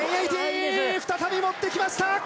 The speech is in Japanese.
再び持ってきました！